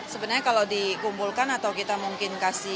sebenarnya kalau dikumpulkan atau kita mungkin kasih